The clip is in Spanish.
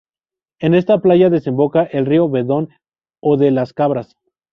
En esta playa desemboca el río Bedón o de Las Cabras.